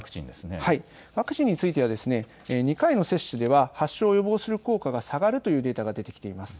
ワクチンについては２回の接種では発症を予防する効果が下がるというデータが出てきています。